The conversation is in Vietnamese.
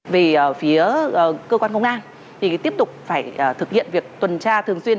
về phía cơ quan công an thì tiếp tục phải thực hiện việc tuần tra thường xuyên